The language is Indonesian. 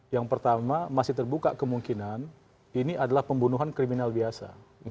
yang pertama masih terbuka kemungkinan ini adalah pembunuhan kriminal biasa